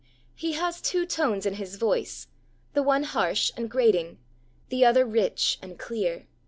He has two tones in his voice the one harsh and grating, the other rich and clear."